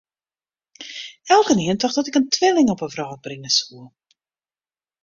Elkenien tocht dat ik in twilling op 'e wrâld bringe soe.